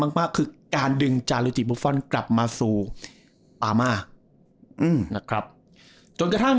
บ้างคือการดึงจารย์จีปุฟฟอลกลับมาสู่ปามานะครับจนกระทั่ง